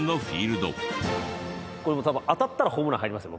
これ多分当たったらホームラン入りますよ